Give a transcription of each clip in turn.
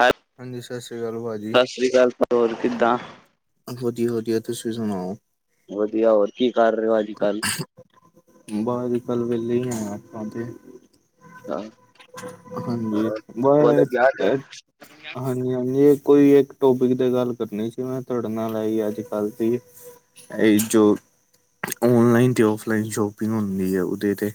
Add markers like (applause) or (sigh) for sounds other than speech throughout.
ਹਾਏ! ਹਾਂਜੀ, ਸਸ਼੍ਰੀ ਕਾਲ, ਭੂਆ ਜੀ। ਸਸ਼ਰੀ ਕਾਲ, ਹੋਰ ਕਿੱਦਾਂ? ਵਦੀਆ- ਵਦੀਆ, ਤੁਸੀਂ ਸੁਨਾਓ। ਵਦੀਆ, ਹੋਰ ਕੀ ਕਰ ਰੇਅ ਓ ਅੱਜ? ਕੱਲ ਬਹ, ਕੱਲ੍ਹ ਵੇਲੇ ਈ ਆ ਆਪਾਂ 'ਤੇ। ਹਾਂਜੀ, ਮੈਂ ਕਾਲਜ ਯਾਦ ਹੈ ਐ ਹਾਂਜੀ-ਹਾਂਜੀ, ਕੋਈ ਇੱਕ ਟੋਪਿਕ 'ਤੇ ਗੱਲ ਕਰਨੀ ਸੀ ਮੈਂ ਤੁਹਾਡੇ ਨਾਲ, ਐਈ ਅੱਜ ਕੱਲ੍ਹ ਤੇ ਈ। ਹੈ ਈ ਚੋਰ! ਔਨਲਾਈਨ 'ਤੇ ਓਫ਼ਲਾਈਨ ਸ਼ੋਪਿੰਗ ਹੁੰਦੀ ਏ, ਉਦੇ 'ਤੇ।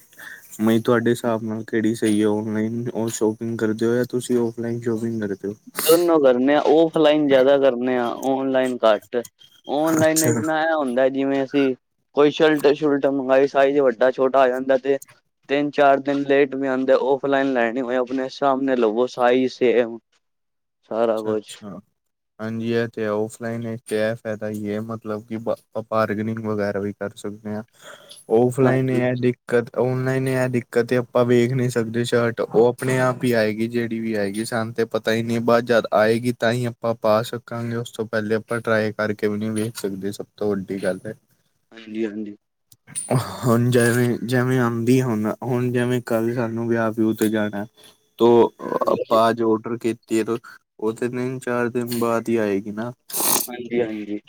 ਮੈ ਤੁਹਾਡੇ ਹਿਸਾਬ ਨਾਲ ਕੇੜੀ ਸਹੀ ਐ? ਔਨਲਾਈਨ ਸ਼ੋਪਿੰਗ ਕਰਦੇ ਓ ਯਾ ਤੁਸੀਂ ਓਫ਼ਲਾਈਨ ਸ਼ੋਪਿੰਗ ਕਰਦੇ ਓ? ਦੋਨੋਂ ਕਰਨੇ ਆ, ਔਫਲਾਈਨ ਜਾਦਾ ਕਰਨੇ ਆ, ਓਨਲਾਈਨ ਘੱਟ। ਓਨਲਾਈਨ ਅੱਛਾ ਇਤਨਾ ਐ ਹੁੰਦਾ ਜਿਵੇਂ ਅਸੀਂ, ਕੋਈ ਸ਼ਲਟ- ਸ਼ੁਲਟ ਮੰਗਾਈ, ਸਾਈਜ਼ ਵੱਡ ਵੱਡਾ- ਛੋਟਾ ਆ ਜਾਂਦਾ 'ਤੇ। ਤਿੰਨ-ਚਾਰ ਦਿਨ ਲੇਟ ਵੀ ਆਂਦੇ। ਓਫ਼ਲਾਈਨ ਲੈਨੇ ਹੋਏ ਆਪਨੇ ਹਿਸਾਬ ਲਵੋ, ਸਾਈਜ਼ ਸੇਮ। (inaudible) ਕੁਛ ਅੱਛਾ-ਅੱਛਾ। ਹਾਂਜੀ, ਐਹ 'ਤੇ ਔਫਲਾਈਨ 'ਤੇ ਐ ਫਾਇਦਾ ਈ ਐ, ਮਤਲਬ ਕਿ ਬਾ- ਬਾਰਗਨਿੰਗ ਵਗੈਰਾ ਵੀ ਕਰ ਸਕਦੇ ਆ, ਔਫਲਾਈਨ ਹਾਂਜੀ ਐਡਿਕ ਦਿੱਕਤ, ਔਨਲਾਈਨ ਐ ਦਿੱਕਤ ਏ ਆਪਾਂ ਵੇਖ ਨੀ ਸਕਦੇ, ਸ਼ਰਟ ਉਹ ਆਪਨੇ ਆਪ ਈ ਆਏਗੀ, ਜੇੜੀ ਵੀ ਆਏਗੀ ਸਾਨੂੰ 'ਤੇ। ਪਤਾ ਈ ਨੀ, ਬਾਦ ਜਾਦਾ ਆਏਗੀ ਤਾਂ ਈ ਆਪਾਂ ਪਾ ਸਕਾਂਗੇ, ਉਸ ਤੋਂ ਪੈਲੇ ਆਪਾਂ ਟਰਾਈ ਕਰਕੇ ਵੀ ਨੀ ਵੇਖ ਸਕਦੇ ਸਬ। ਤੋਂ ਵੱਡੀ ਗੱਲ ਐ। ਹਾਂਜੀ-ਹਾਂਜੀ। (inaudible) ਹੁਨ ਜੇਵੇਂ, ਜੇਵੇਂ ਆਂਦੀ ਹੁਨ, ਹੁਨ ਜੇਵੇਂ ਕੱਲ੍ਹ ਸਾਨੂੰ ਵਿਆਹ-ਵਿਓ ਤੇ ਜਾਨੈ। ਤੋ, ਅ ਨਿਕਲ ਗਏ। (unintelligible) ਆਜ ਔਡਰ ਕੀਤੀ ਏ, ਓ ਤੇ ਤਿੰਨ- ਚਾਰ ਦਿਨ ਬਾਦ ਈ ਆਏਗੀ ਨਾ। ਹਾਂਜੀ-ਹਾਂਜੀ।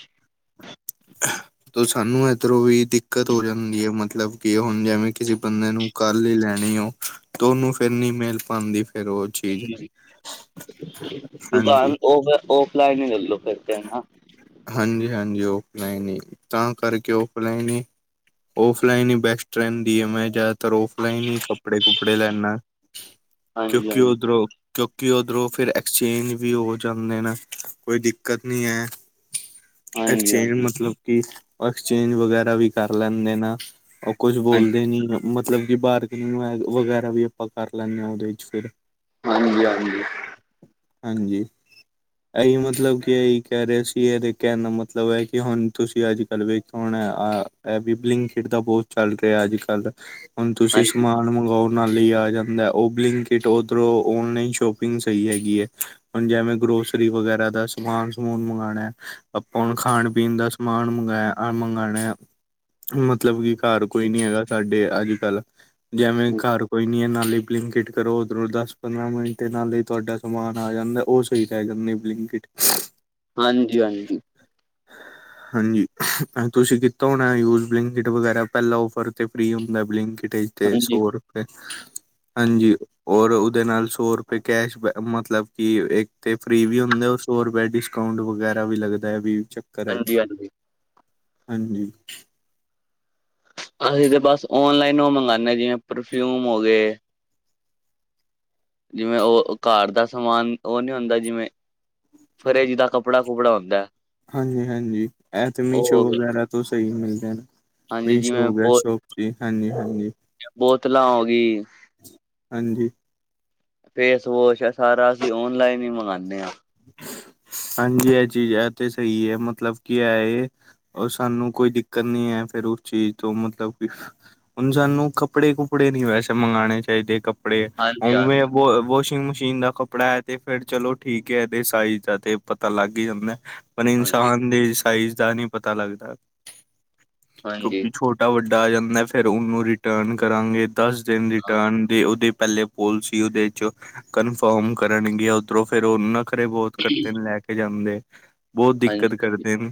ਤੋ ਸਾਨੂੰ ਏਧਰੋਂ ਵੀ ਦਿੱਕਤ ਹੋ ਜਾਂਦੀ ਐ ਮਤਲਬ ਕਿ ਹੁਣ ਜੇਵੇਂ ਕਿਸੇ ਬੰਦੇ ਨੂੰ ਕੱਲ੍ਹ ਈ ਲੈਣੀ ਹੋ ਤੋ ਉਹਨੂੰ ਫੇਰ ਨੀਂ ਮਿਲ ਪਾਂਦੀ ਫੇਰ ਉਹ ਚੀਜ਼ ਹਾਂਜੀ ਦੁਕਾਨ ਔਫ-ਔਫ਼ਲਾਈਨ ਈ ਲੈ ਲੋ ਫੇਰ ਤੇ ਹੈ ਨਾ। ਹਾਂਜੀ-ਹਾਂਜੀ, ਔਫਲਾਈਨ ਈ ਤਾਂ ਕਰਕੇ ਔਫਲਾਈਨ ਈ ਔਫਲਾਈਨ ਈ ਬੈਸਟ ਰਹਿੰਦੀ ਏ ਮੈਂ ਜ਼ਿਆਦਾਤਰ ਔਫਲਾਈਨ ਈ ਕੱਪੜੇ ਕੁਪੜੇ ਲੈਂਣਾ। (inaudible) ਹਾਂਜੀ ਕਿਉਂਕਿ ਹਾਂਜੀ ਓਧਰੋਂ ਕਿਉਂਕਿ ਓਧਰੋਂ ਫੇਰ ਐਕਸਚੇਂਜ ਵੀ ਹੋ ਜਾਂਦੇ ਨੇ ਕੋਈ ਦਿੱਕ ਕਤ ਨੀ ਐਂ ਹਾਂਜੀ ਐਕਸਚੇਂਜ ਹਾਂਜੀ ਮਤਲਬ ਕਿ ਐਕਸਚੇਂਜ ਵਗੈਰਾ ਵੀ ਕਰ ਲੈਂਦੇ ਨਾ, ਉਹ ਕੁਝ ਬੋਲਦੇ ਨੀ ਨਾ। ਮਤਲਬ ਕਿ ਬਾਰਗਨਿੰਗ ਵ-ਵਗੈਰਾ ਵੀ ਆਪਾਂ ਕਰ ਲੈਂਣੇ ਆ ਆਪਾਂ ਉਹਦੇ ਵਿੱਚ ਫੇਰ। ਹਾਂਜੀ-ਹਾਂਜੀ। ਹਾਂਜੀ, ਇਹੀ ਮਤਲਬ ਇਹੀ ਕਹਿ ਰਹੇ ਸੀ ਇਹਦੇ ਕਹਿਣ ਦਾ ਮਤਲਬ ਐ ਕਿ ਹੁਣ ਤੁਸੀਂ ਅੱਜ ਕੱਲ੍ਹ ਵੇਖੋ ਹੁਣ ਆ ਇਹ ਵੀ ਬਲਿੰਕ ਇਟ ਤਾਂ ਬਹੁਤ ਚੱਲ ਰਿਹਾ ਅੱਜ ਕੱਲ, ਹੁਣ ਤੁਸੀਂ ਹਾਂਜੀ ਸਮਾਨ ਮੰਗਾਓ ਨਾਲ਼ੇ ਈ ਆ ਜਾਂਦਾ ਓ ਬਲਿੰਕ ਇਟ ਓਧਰੋਂ ਓਨਲਾਈਨ ਸ਼ੌਪਿੰਗ ਸਹੀ ਹੈਗੀ ਐ। ਹੁਣ ਜਿਵੇਂ ਗਰੋਸਰੀ ਵਗੈਰਾ ਦਾ ਸਮਾਨ ਸਮੁਨ ਮੰਗਾਣਾ ਐ ਆਪਾਂ ਹੁਣ ਖਾਣ ਪੀਣ ਸਮਾਨ ਮੰਗਾਇਆ ਅ ਮੰਗਾਣਾ ਐ। ਮਤਲਬ ਕੀ ਕਰ ਕੋਈ ਨੀ ਹੈਗਾ ਸਾਡੇ ਅੱਜ ਕੱਲ੍ਹ ਜਿਵੇਂ ਕਰ ਕੋਈ ਨੀ ਐ ਨਾਲੇ ਬਲਿੰਕ ਇਟ ਕਰੋ ਉਧਰੋਂ ਦਸ ਪੰਦਰਾਂ ਮਿੰਟ ਨਾਲੇ ਈ ਤੁਹਾਡਾ ਸਮਾਨ ਆ ਜਾਂਦਾ ਉਹ ਸਹੀ ਰਹਿ ਜਾਂਦੀ ਬਲਿੰਕ ਇਟ। ਹਾਂਜੀ-ਹਾਂਜੀ। (inaudible) ਹਾਂਜੀ, ਤੁਸੀਂ ਕੀਤਾ ਹੋਣਾ ਯੂਜ ਬਲਿੰਕ ਇਟ ਵਗੈਰਾ ਪਹਿਲਾਂ ਔਫਰ ਤੇ ਫ੍ਰੀ ਹੁੰਦਾ ਬਲਿੰਕ ਇਟ ਚ। ਤੇ ਸੌ ਰੁਪਏ ਹਾਂਜੀ, ਔਰ ਉਹਦੇ ਨਾਲ ਸੌ ਰੁਪਏ ਕੈਸ਼ ਮਤਲਬ ਕਿ ਇਕ ਤੇ ਫ੍ਰੀ ਵੀ ਹੁੰਦਾ ਉਹ ਸੌ ਰੁਪਆ ਡਿਸਕਾਊਟ ਵਗੈਰਾ ਵੀ ਲੱਗਦਾ ਵੀ ਹਾਂਜੀ (unintelligible) ਹਾਂਜੀ ਹਾਂਜੀ। ਅਸੀਂ ਤਾਂ ਬਸ ਓਨਲਾਈਨ ਉਹ ਮੰਗਾਣੇ ਹ ਜਿਵੇਂ ਪਰਫਿਊਮ ਹੋ ਗਏ। ਜਿਵੇਂ ਉਹ ਕਰ ਦਾ ਸਮਾਨ ਉਹ ਨੀ ਹੁੰਦਾ ਜਿਵੇਂ ਫਰੇ ਜਿੰਦਾ ਕੱਪੜਾ ਕੁਪੜਾ ਹੁੰਦਾ ਐ। ਹਾਂਜੀ-ਹਾਂਜੀ, ਇਹ ਤੇ ਮੀਸ਼ੋ ਗਿਆ ਵਗੈਰਾ ਤੋਂ ਸਹੀ ਮਿਲਦੇ ਨਾ ਹਾਂਜੀ ਮੀਸ਼ੋ ਜਿਵੇਂ ਹੋ ਗਿਆ ਬੋ ਸੋਂ ਜੀ ਹਾਂਜੀ, ਹਾਂਜੀ। ਬੋਤਲਾਂ ਹੋ ਗਈ ਹਾਂਜੀ। ਫੇਸ ਵੋਸ਼ ਏ ਸਾਰਾ ਅਸੀਂ ਔਨਲਾਈਨ ਹੀ ਮੰਗਾਣੇ ਆ। ਹਾਂਜੀ, ਇਹ ਚੀਜ਼ ਤੇ ਸਹੀ ਐ ਮਤਲਬ ਕੀ ਇਹ ਏ ਓ ਸਾਨੂੰ ਕੋਈ ਦਿੱਕਤ ਨੀ ਐ ਫੇਰ ਉਸ ਚੀਜ਼ ਤੋਂ ਮਤਲਬ ਕਿ ਹੁਣ ਸਾਨੂੰ ਕੱਪੜੇ ਕੁੱਪੜੇ ਨੀ ਵੈਸੇ ਮੰਗਾਣੇ ਚਾਹੀਦੇ ਕਪ ਕੱਪੜੇ ਹਾਂਜੀ ਹਾਂਜੀ ਉਵੇਂ ਵਾਸ਼ਿੰਗ ਮਸ਼ੀਨ ਦਾ ਕੱਪੜਾ ਐ ਤੇ ਫੇਰ ਚਲੋ ਠੀਕ ਕੇ ਦੇ ਸਾਈਜ਼ ਤੇ ਪਤਾ ਲੱਗ ਹੀ ਜਾਂਦਾ ਐ ਪਰ ਹਾਂਜੀ ਇਨਸਾਨ ਦੇ ਸਾਈਜ਼ ਦਾ ਨੀ ਪਤਾ ਲੱਗਦਾ ਹਾਂਜੀ ਕਿਉਂਕਿ ਛੋਟ ਟਾ ਵੱਡਾ ਆ ਜਾਂਦਾ ਫੇਰ ਉਹਨੂੰ ਰਿਟਰਨ ਕਰਾਂਗੇ ਦਸ ਦਿਨ ਹਾਂ ਰਿਟਰਨ ਦੇ ਉਹਦੇ ਪਹਿਲੇ ਪੋਲ ਸੀ ਉਹਦੇ ਚ ਕਨਫਰਮ ਕਰਨਗੇ ਉਧਰੋਂ ਫੇਰ ਉਹਨ ਨਖ਼ਰੇ ਬਹੁਤ ਕਰਦੇ ਨੇ ਲੈ ਕੇ ਜਾਂਦੇ ਬਹੁਤ ਦਿੱਕਤ ਹਾਂਜੀ ਕਰਦੇ ਨੇ,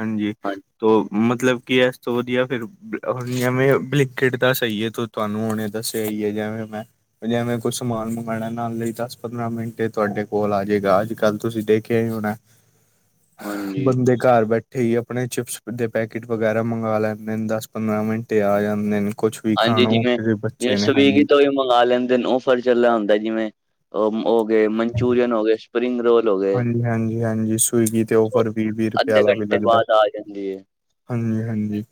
ਹਾਂਜੀ। ਤੋ ਮਤਲਬ ਕੀ ਇਸ ਤੋਂ ਵਧੀਆ ਫੇਰ ਹੁ ਜਿਵੇਂ ਬਲਿਕ ਇਟ ਦਾ ਸਹੀ ਇਹ ਤੂੰ-ਤੁਹਾਨੂੰ ਹੁਣੇ ਦੱਸਿਆ ਹੀ ਐ ਜਿਵੇਂ ਮੈਂ। ਜਿਵੇ ਕੁਛ ਸਮਾਨ ਮੰਗਾਣਾ ਨਾਲ ਲੇ ਈ ਦਸ ਪੰਦਰਾਂ ਮਿੰਟ ਤੁਹਾਡੇ ਕੋਲ ਆ ਜਾਏ। ਅੱਜ ਕੱਲ੍ਹ ਤੁਸੀਂ ਦੇਖਿਆ ਹੀ ਹੋਣਾ ਹਾਂਜੀ ਬੰਦੇ ਕਰ ਬੈਠੇ ਈ ਆਪਣੇ ਚਿਪਸ ਦੇ ਪੈਕਟ ਵਗੈਰਾ ਮੰਗਾ ਲੈਂਦੇ ਨੇ ਦਸ ਪੰਦਰਾਂ ਮਿੰਟੇ ਆ ਜਾਂਦੇ ਨੇ। ਕੁਛ ਵੀ ਖਾਣੋ ਫੇਰ ਵੀ ਬੱਚੇ ਨੇ, ਹਾਂਜੀ। ਮੰਗਾ ਲੈਂਦੇ ਨੇ ਉੱਫਰ ਚਲਿਆ ਹੁੰਦਾ ਜਿਵੇ ਹੋ ਗਏ ਮਨਚੂਰੀਅਨ ਹੋ ਗਏ, ਸਪਰਿੰਗ ਰੋਲ ਹੋ ਗਏ ਹਾਂਜੀ, ਹਾਂਜੀ, ਹਾਂਜੀ ਸਵੀਗੀ ਤੇ ਉਹ ਉੱਫਰ ਵੀ ਵੀਹ ਰੁਪਏ ਅੱਧੇ ਵੀ ਘੰਟੇ ਲੱਗਦਾ। ਬਾਅਦ ਆ ਜਾਂਦੀ ਹੈ ਹਾਂਜੀ-ਹਾਂਜੀ।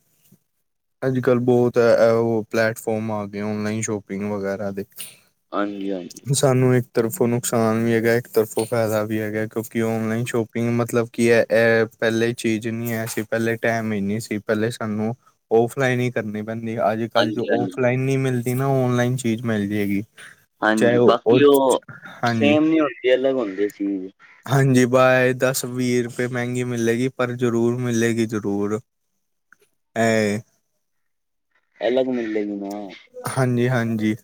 ਅੱਜ ਕੱਲ੍ਹ ਬਹੁਤ ਐ ਉਹ ਪਲੈਟਫੋਮ ਆ ਗਏ ਔਨਲਾਈਨ ਸ਼ੋਪਿੰਗ ਵਗੈਰਾ ਦੇ। ਹਾਂਜੀ-ਹਾਂਜੀ। ਸਾਨੂੰ ਇੱਕ ਤਰਫੋਂ ਨੁਕਸਾਨ ਵੀ ਹੈਗਾ ਇੱਕ ਤਰਫੋਂ ਫ਼ਾਇਦਾ ਵੀ ਹੈਗਾ ਕਿਉਂਕਿ ਔਨਲਾਈਨ ਸ਼ੋਪਿੰਗ ਮਤਲਬ ਕਿ ਇਹ ਇਹ ਪਹਿਲੇ ਚੀਜ਼ ਨਹੀ ਐ ਸੀ ਪਹਿਲੇ ਟਾਈਮ ਹੀ ਨਹੀਂ ਸੀ। ਪਹਿਲੇ ਸਾਨੂੰ ਔਫਲਾਈਨ ਹੀ ਕਰਨੇ ਪੈਂਦੀ ਅੱਜ ਕੱਲ ਹਾਂਜੀ ਜੋ ਹਾਂਜੀ ਔਫਲਾਈਨ ਨਹੀਂ ਮਿਲਦੀ ਨਾ ਔਨਲਾਈਨ ਚੀਜ਼ ਮਿਲ ਜੇ ਗੀ। ਹਾਂਜੀ, ਬਾਕੀ ਉਹ ਸੇਮ ਨੀ ਹੁੰਦੀ ਅਲੱਗ ਹੁੰਦੀ ਚੀਜ਼। ਹਾਂਜੀ, ਬਾਹਏ ਦਸ-ਵੀਹ ਰੁਪਏ ਮਹਿੰਗੀ ਮਿਲੇਗੀ ਪਰ ਜ਼ਰੂਰ ਮਿਲੇਗੀ ਜ਼ਰੂਰ। ਏ ਅਲੱਗ ਮਿਲੇਗੀ ਨਾ। ਹਾਂਜੀ-ਹਾਂਜੀ।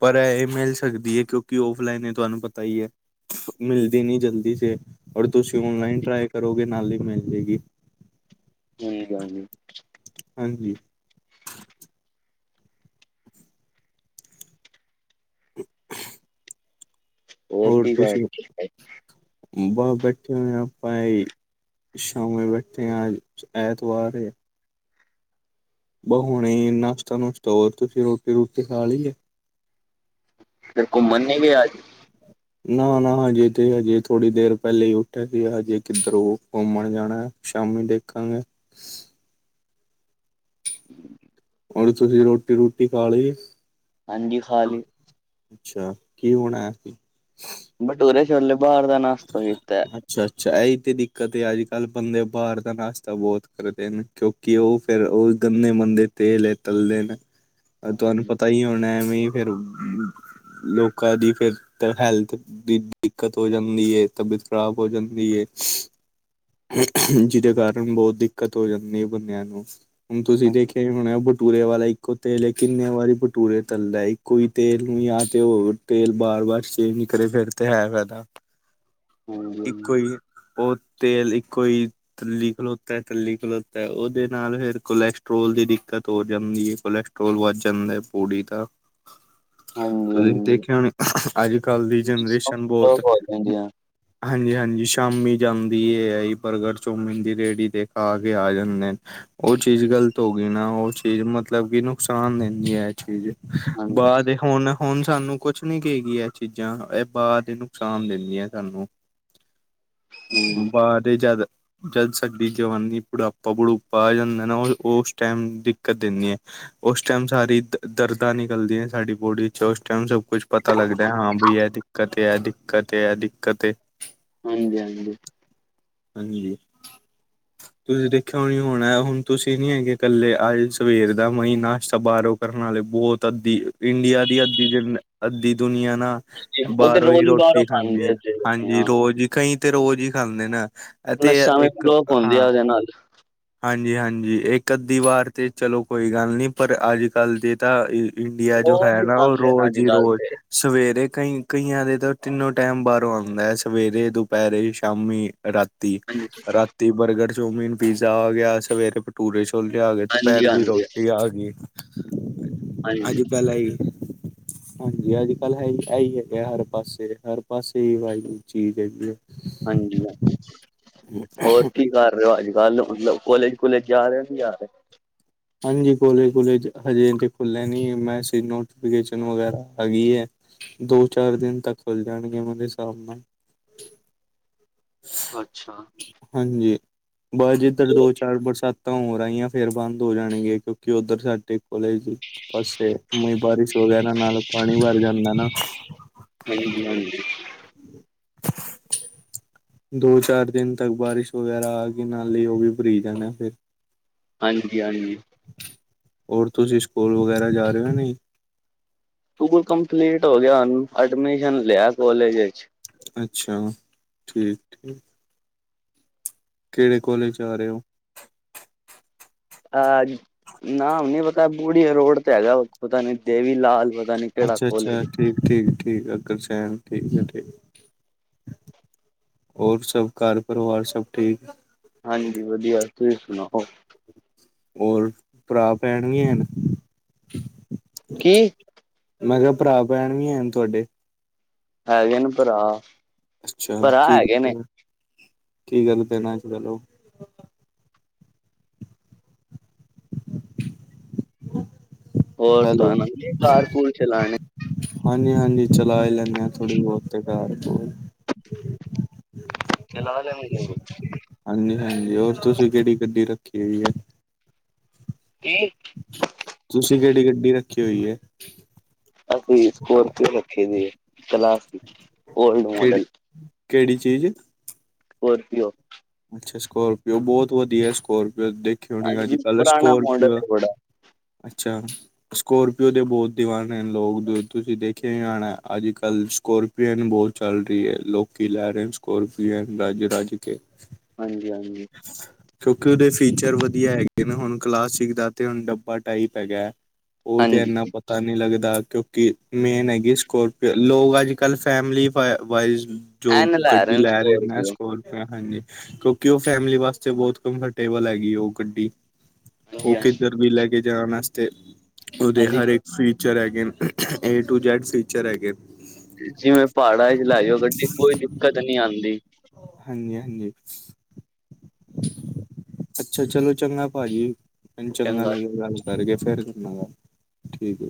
ਪਰ ਇਹ ਮਿਲ ਸਕਦੀ ਐ, ਕਿਉਂਕਿ ਔਫਲਾਈਨ ਏ ਤੁਹਾਨੂੰ ਪਤਾ ਹੀ ਐ ਮਿਲ ਦੀ ਨੀ ਜਲਦੀ ਸੇ, ਔਰ ਤੁਸੀਂ ਔਨਲਾਈਨ ਟਰਾਈ ਕਰੋਗੇ ਨਾਲ ਹੀ ਮਿਲ ਜੇ ਗੀ। ਠੀਕ ਆ ਜੀ। ਹਾਂਜੀ। ਹੋਰ ਕੀ ਕਰ ਤੁਸੀਂ, ਰਹੇ, ਬਸ ਬੈਠੇ ਹੋਏ ਹੋ ਆਪਾਂ ਏ ਈ ਸ਼ਾਮੇ ਬੈਠੇ ਐ ਆਜ ਐਤਵਾਰ ਐ। ਬ ਹੁਣੇ ਨਾਸ਼ਤਾ-ਨੂਸ਼ਤਾ ਹੋਰ, ਤੁਸੀਂ ਰੋਟੀ-ਰੂਟੀ ਖਾ ਲਈ ਲੀ ਐ। ਫੇਰ ਕੁਮਨ ਨਈ ਗਏ ਅਜ? ਨਾ-ਨਾ, ਹਜੇ ਤੇ ਹਜੇ ਥੋੜੀ ਦੇਰ ਪਹਿਲੇ ਹੀ ਉੱਠੇ ਸੀ ਹਜੇ ਕਿੱਧਰੋਂ ਕੁਮਨ ਜਾਣਾ। ਸ਼ਾਮੀ ਦੇਖਾਂਗੇ। (inaudible) ਔਰ, ਤੁਸੀਂ ਰੋਟੀ-ਰੂਟੀ ਖਾ ਲਈ। ਹਾਂਜੀ, ਖਾ ਲੀ। ਅੱਛਾ, ਕੀ ਬਣਾਇਆ। ਬਟੂਰੇ ਛੋਲੇ ਬਾਹਰ ਦਾ ਨਾਸ਼ਤਾ ਕੀਤਾ। ਅੱਛਾ-ਅੱਛਾ, ਇਹੀ ਤੇ ਦਿੱਕਤ ਏ, ਅੱਜ ਕੱਲ੍ਹ ਬੰਦੇ ਬਾਹਰ ਦਾ ਨਾਸ਼ਤਾ ਬਹੁਤ ਕਰਦੇ ਨੇ। ਕਿਉਕਿ ਉਹ ਫੇਰ ਉਹ ਗੰਦੇ-ਮੰੰਦੇ ਤੇਲ ਇੰਚ ਤਲਦੇ ਨੇ। ਤੁਹਾਨੂੰ ਹਾਂਜੀ ਪਤਾ ਹੀ ਹੋਣਾ, ਐਵੇਂ ਫੇਰ ਲੋਕਾਂ ਦੀ ਫੇਰ ਤਾਂ ਹੈਲਥ ਦੀ ਦਿੱਕਤ ਹੋ ਜਾਂਦੀ ਐ ਤਬੀਅਤ ਖਰਾਬ ਹੋ ਜਾਂਦੀ ਐ। ਜਿਹਦੇ ਕਾਰਨ ਬਹੁਤ ਦਿੱਕਤ ਹੋ ਜਾਂਦੀ ਐ ਬੰਦਿਆਂ ਨੂੰ ਹੁਣ ਤੁਸੀਂ ਹਾਂਜੀ ਦੇਖਿਆ ਈ ਹੋਣਾ ਬਟੂਰੇ ਵਾਲਾ ਈ ਇੱਕੋ ਤੇਲ ਕਿੰਨੇ ਵਾਰੀ ਬਟੂਰੇ ਤਲਦਾ ਏ, ਇੱਕੋ ਤੇਲ ਨੂੰ ਆ ਤੇ ਹੋ ਤੇਲ ਬਾਰ-ਬਾਰ ਸੇਮ ਈ ਤੁਰੇ ਫੇਰ ਤੇ ਐ ਫੈਦਾ। ਹਾਂਜੀ ਹਾਂਜੀ ਇੱਕੋ ਈ ਉਹ ਤੇਲ ਇੱਕੋ ਈ ਤੱਲੀ ਖਲੋਤਾ, ਤੱਲੀ ਖਲੋਤਾ ਉਹਦੇ ਨਾਲ ਫੇਰ ਕੋਲੈਸਟਰ੍ਰੋਲ ਦੀ ਦਿੱਕਤ ਹੋ ਜਾਂਦੀ ਐ, ਕੋਲੈਸਟਰੋ ਟਰੋਲ ਵੱਧ ਜਾਂਦਾ ਏ, ਪੂੜੀ ਤਾ ਹਾਂਜੀ ਤੁਸੀਂ ਹਾਂਜੀ ਦੇਖਿਆ ਨੀ ਅੱਜ ਕੱਲ੍ਹ ਦੀ ਜਨਰੇਸ਼ਨ ਬੋਤ ਹਾਂਜੀ, ਹਾਂ। ਹਾਂਜੀ-ਹਾਂਜੀ ਸ਼ਾਮੀ ਜਾਂਦੀ ਐ ਇਹੀ ਪ੍ਰਗਟ ਚੌਮਿਨ ਦੀ ਰੇਹੜੀ ਤੇ ਖਾ ਕੇ ਆ ਜਾਂਦੇ। ਉਹ ਚੀਜ਼ ਗ਼ਲਤ ਹੋ ਗਈ ਨਾ, ਉਹ ਚੀਜ਼ ਮਤਲਬ ਕਿ ਨੁਕਸਾਨ ਦਿੰਦੀ ਐ ਇਹ ਚੀਜ਼ ਹਾਂਜੀ, ਬਾਦ ਏ ਹੁਣ ਹੁਣ ਸਾਨੂੰ ਕੁਛ ਨੀ ਕਗੀਈ ਇਹ ਚੀਜ਼ਾਂ, ਇਹ ਬਾਦ ਏ ਨੁਕਸਾਨ ਦਿੰਦੀਆਂ ਸਾਨੂੰ ਹਾਂਜੀ। ਬਾਦ ਚ ਜਿਆਦਾ ਜਦ ਸਾਡੀ ਜਵਾਨੀ, ਬੁਢਾਪਾ-ਬੁਢੂਪਾ ਆ ਜਾਂਦਾ ਨਾ ਉਸ ਟਾਈਮ ਦਿੱਕਤ ਦਿੰਦੀਆਂ ਏ। ਉਸ ਟਾਈਮ ਸਾਰੀ ਦ-ਦਰਦਾਂ ਨਿਕਲਦੀਆਂ ਸਾਡੀ ਬੋਡੀ ਚ ਉਸ ਟਾਈਮ ਸਭ ਕੁਛ ਪਤਾ ਲੱਗਦਾ ਐ, ਹਾਂ ਬਈ ਐਹ ਤੇ ਕਤ ਐ, ਏ ਦਿੱਕਤ ਐ, ਏ ਦਿੱਕਤ ਐ। ਹਾਂਜੀ-ਹਾਂਜੀ। ਹਾਂਜੀ। ਤੁਸੀਂ ਦੇਖਿਆ ਈ ਹੋਣਾ ਹੁਣ ਤੁਸੀਂ ਨੀ ਹੈਗੇ ਕੱਲੇ ਆਏ ਸਵੇਰ ਦਾ ਮਈ ਨਾਸ਼ਤਾ ਬਾਹਰੋਂ ਕਰਨ ਆਲੇ ਬਹੁਤ ਅੱਧੀ ਇੰਡੀਆ ਦੀ ਅੱਧੀ ਜਨ ਅੱਧੀ ਦੁਨੀਆਂ ਨਾ ਉੱਥੇ ਬਾਹਰੋਂ ਹੀ ਰੋਜ਼ ਈ ਬਾਹਰੋਂ ਰੋਟੀ ਖਾਂਦੇ ਐ, ਉੱਥੇ ਹਾਂਜੀ ਹਾਂ। ਰੋਜ਼ ਹੀ ਕਈ ਤੇ ਰੋਜ਼ ਹੀ ਖਾਂਦੇ ਨੇ। ਨਸਾ ਵੀ ਬਲੋਕ ਹੁੰਦੀ ਆ ਉਹਦੇ ਨਾਲ। ਹਾਂਜੀ-ਹਾਂਜੀ, ਇੱਕ ਅੱਧੀ ਵਾਰ ਤੇ ਚਲੋ ਕੋਈ ਗੱਲ ਨਹੀਂ ਪਰ ਅੱਜ ਕੱਲ੍ਹ ਦੇ ਤਾਂ ਇ ਇੰਡੀਆ ਜੋ ਰੋਜ਼ ਹੈ ਈ ਨਾ ਉਹ ਖਾਂਦੇ ਨੇ ਰੋਜ਼ ਹੀ ਅੱਜ-ਕੱਲ ਰੋਜ਼ ਤੇ। ਸਵੇਰੇ ਕਈ ਕਈਆਂ ਦੇ ਤਾਂ ਤਿੰਨੋ ਟਾਈਮ ਬਾਹਰੋਂ ਆਉਂਦਾ ਹੈ ਸਵੇਰੇ ਦੁਪਹਿਰੇ ਸ਼ਾਮੀ ਰਾਤ ਰਾਤੀ ਬਰਗਰ, ਚੋਮੀਨ, ਪੀਜ਼ਾ ਹੋ ਗਿਆ ਸਵੇਰੇ ਭਟੂਰੇ ਚ ਕੁਲਚੇ ਆ ਗਏ ਦੁਪਹਿਰ ਦੀ ਹਾਂਜੀ-ਹਾਂਜੀ, ਰੋਟੀ ਆ ਗਈ ਅੱਜ-ਕੱਲ ਇਹੀ। ਹਾਂਜੀ ਅੱਜ-ਕੱਲ੍ਹ ਹੈਹੀ ਇਹੀ ਹੈਗੇ ਹਰ ਪਾਸੇ ਹਰ ਪਾਸੇ ਹੀ ਇਹੀ ਵਾਈ ਚੀਜ਼ ਹੈਗੀ ਏ। ਹਾਂਜੀ-ਹਾਂਜੀ ਹੋਰ ਕੀ ਕਰ ਰੇ ਓ ਅੱਜ-ਕੱਲ੍ਹ ਮਤਲਬ ਕੋਲੇਜ-ਕੁਲੇਜ ਜਾ ਰਿਹਾ ਨੀ ਜਾ ਰਹੇ? ਹਾਂਜੀ ਕੋਲੇਜ-ਕੁਲਜ ਅਜੇ ਤੇ ਖੁੱਲੇ ਨੀ ਮੈ (unintelligible) ਵਗੈਰਾ ਆ ਗਈ ਏ। ਦੋ-ਚਾਰ ਦਿਨ ਤੱਕ ਖੁੱਲ ਜਾਣਗੇ ਉਹਨਾਂ ਦੇ ਹਿਸਾਬ ਨਾਲ। ਅੱਛਾ ਹਾਂਜੀ ਬਸ ਜਿੱਧਰ ਦੋ ਚਾਰ ਬਰਸਾਤ ਤਾਂ ਹੋਰ ਆਇਆ ਫੇਰ ਬੰਦ ਹੋ ਜਾਣਗੇ ਕਿਉਂਕਿ ਉੱਧਰ ਸਾਡੇ ਕੋਲੇਜ ਦੀ ਪਾਸੇ ਮੀਹ ਬਾਰਿਸ਼ ਹੋ ਗਿਆ ਨਾ ਨਾਲ ਪਾਣੀ ਭਰ ਜਾਂਦਾ ਨਾ। (inaudible) (inaudible) ਦੋ-ਚਾਰ ਦਿਨ ਤੱਕ ਬਾਰਿਸ਼ ਵਗੈਰਾ ਆ ਗੀ ਨਾਲੇ ਉਹ ਵੀ ਭਰੀ ਜਾਣਾ ਫਿਰ। ਹਾਂਜੀ-ਹਾਂਜੀ। ਹੋਰ ਤੁਸੀਂ ਸਕੂਲ ਵਗੈਰਾ ਜਾ ਰਹੇ ਹੋ ਯਾ ਨਹੀਂ? ਸਕੂਲ ਕੰਪਲੀਟ ਹੋ ਗਿਆ ਹੁਣ ਐਡਮਿਸ਼ਨ ਲਿਆ ਕਾਲਜ ਏਚ। ਅੱਛਾ ਠੀਕ ਠੀਕ ਕਿਹੜੇ ਕੋਲੇਜ ਜਾ ਰਹੇ ਹੋ? ਅਹ ਨਾਮ ਨੀ ਪਤਾ ਬੁਰੀਏ ਰੋਡ ਤੇ ਹੈਗਾ ਪਤਾ ਨੀ ਦੇਵੀ ਲਾਲ ਪਤਾ ਨੀ। ਕਿਹੜਾ ਅੱਛਾ-ਅੱਛਾ ਕੋਲਜ। ਠੀਕ-ਠੀਕ-ਠੀਕ ਅੱਗਰਸੈਨ ਠੀਕ-ਠੀਕ। ਹੋਰ ਸਭ ਘਰ ਪਰਿਵਾਰ ਸਭ ਠੀਕ? ਹਾਂਜੀ ਵਧੀਆ ਤੁਸੀਂ ਸੁਣਾਓ? ਹੋਰ ਭਰਾ ਭੈਣ ਵੀ ਹੈਨ? ਕੀ? ਮੈਂ ਕਿਆ ਭਰਾ-ਭੈਣ ਵੀ ਹੈ ਨੇ ਤੁਹਾਡੇ? ਹੈਗੇ ਨੇ ਭਰਾ। ਅੱਛਾ ਭਰਾ ਕੀ ਹੈਗੇ ਨੇ ਕੀ ਗੱਲ ਪੈਣਾ ਅੱਜ ਕੱਲ ਉਹ ਹੋਰ ਤਾਣੁ ਆਂਦੀ ਐ ਕਾਰ ਕੂਰ ਚਲਾਨੀ? ਹਾਂਜੀ-ਹਾਂਜੀ, ਚਲਾ ਈ ਲੈਣੇ ਆ ਥੋੜ੍ਹੀ ਬਹੁਤ ਤੇ ਕਾਰ-ਕੁਰ! ਚਲਾ ਲੈਣੇ ਕਿ (inaudible) ਹਾਂਜੀ-ਹਾਂਜੀ! ਹੋਰ ਤੁਸੀਂ ਕਿਹੜੀ ਗੱਡੀ ਰੱਖੀ ਹੋਈ ਐ? ਕੀ? ਤੁਸੀਂ ਕਿਹੜੀ ਗੱਡੀ ਰੱਖੀ ਹੋਈ ਐ? ਅਸੀਂ ਸਕੋਰਪੀਓ ਰਖੀ ਹੋਈ ਐ, ਕਲਾਸ ਓਲਡ ਕਿਹੜੀ ਮਾਡਲ! ਕਿਹੜੀ ਚੀਜ਼? ਸਕੋਰਪੀਓ। ਅੱਛਾ, ਸਕੋਰਪੀਓ ਬਹੁਤ ਵਧੀਆ! ਸਕੋਰਪੀਓ ਦੇਖੀ ਹੋਣੀ ਹਾਂਜੀ ਅੱਜ-ਕੱਲ ਪੁਰਾਣਾ ਮਾਡਲ ਸਕੋਰਪੀਓ ਹੈ ਬੜਾ ਅੱਛਾ। ਸਕੋਰਪੀਓ ਦੇ ਬਹੁਤ ਦੀਵਾਨੇ ਨੇ ਲੋਕ, ਜੋ ਤੁਸੀਂ ਦੇਖਿਆ ਈ ਹੋਣਾ ਅੱਜ-ਕੱਲ੍ਹ ਸਕੋਰਪੀਓ ਅਨ ਬਹੁਤ ਚੱਲਦੀ ਐ, ਲੋਕੀ ਲੈ ਰਹੇ ਨੇ ਸਕੋਰਪੀਅਨ ਰਜ-ਰਜ ਕੇ! ਹਾਂਜੀ, ਹਾਂਜੀ! (inaudible) ਕਿਉਂਕਿ ਉਦੇ ਫੀਚਰ ਵਧੀਆ ਹੈਗੇ ਨੇ, ਹੁਣ ਕਲਾਸਿਕ ਦਾ ਤੇ ਹੁਣ ਡੱਬਾ ਟਾਈਪ ਹੈਗਾ! ਉਹ ਤੇ ਹਾਂਜੀ ਇਹਨਾਂ ਪਤਾ ਪਤਾ ਨਹੀਂ ਲੱਗਦਾ, ਕਿਉਂਕਿ ਮੇਨ ਹੈਗੀ ਸਕੋਰਪੀਓ, ਲੋਕ ਅੱਜ-ਕੱਲ੍ਹ ਫੈਮਲੀ ਵਾਈਜ਼ ਜੋ ਐਨ ਰਹੇ ਗੱਡੀ ਨੇ ਲੈ ਰੇ ਨੇ ਸਕੋਰਪੀਓ ਸਕੋਰ ਮੈਂ ਹਾਂਜੀ, ਕਿਉਂਕਿ ਉਹ ਫੈਮਿਲੀ ਵਾਸਤੇ ਬਹੁਤ ਕੰਫਰਟੇਬਲ ਹੈਗੀ ਓ ਗੱਡੀ! ਓ ਹਾਂਜੀ ਹਾਂਜੀ ਕਿੱਧਰ ਵੀ ਲੈ ਕੇ ਜਾਣ ਆਸਤੇ ਉਦੇ ਹਾਂਜੀ ਹਰ ਇੱਕ ਫੀਚਰ ਹੈਗੇ ਨੇ, ਏ ਟੂ ਜੈਡ ਫੀਚਰ ਹੈਗੈ ਨੇ! ਜਿਵੇਂ ਪਹਾੜਾਂ 'ਚ ਲੈਜੋ ਗੱਡੀ, ਕੋਈ ਦਿੱਕਤ ਨੀ ਆਂਦੀ! ਹਾਂਜੀ, ਹਾਂਜੀ! ਅੱਛਾ, ਚਲੋ ਚੰਗਾ ਭਾਜੀ, ਮੈਨੂੰ ਚੰਗਾ ਲੱਗਿਆ ਗੱਲ- ਕਰਕੇ, ਫੇਰ ਕਰਨਾ ਗੱਲ।